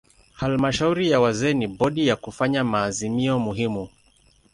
Halmashauri ya wazee ni bodi ya kufanya maazimio muhimu.